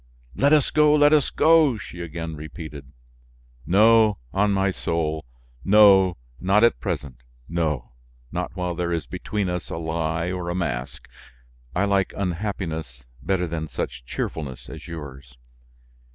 "Let us go, let us go!" she again repeated. "No, on my soul! No, not at present; no, not while there is between us a lie or a mask. I like unhappiness better than such cheerfulness as yours."